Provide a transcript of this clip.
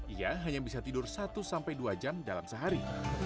ia hanya bisa tidur satu dua jam dalam sehari